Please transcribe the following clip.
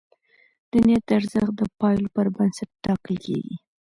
د نیت ارزښت د پایلو پر بنسټ ټاکل کېږي.